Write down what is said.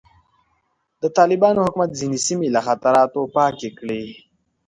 د طالبانو حکومت ځینې سیمې له خطراتو پاکې کړې.